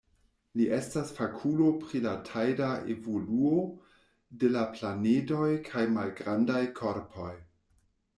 Li estas fakulo pri la tajda evoluo de la planedoj kaj malgrandaj korpoj.